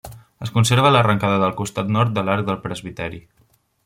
Es conserva l'arrencada del costat nord de l'arc del presbiteri.